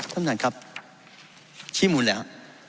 ท่านท่านครับชี้หมุนแล้ว